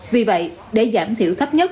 vì vậy để giảm thiểu thấp nhất